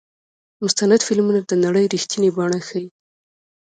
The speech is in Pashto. مستند فلمونه د نړۍ رښتینې بڼه ښيي.